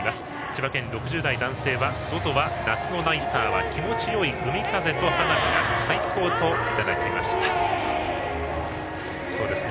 千葉県の６０代の男性はＺＯＺＯは夏のナイターは気持ちよい海風と花火が最高といただいております。